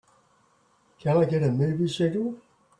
Can I get a movie schedule